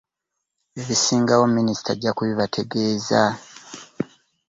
Ebisingawo Minisita ajja ku bibategeeza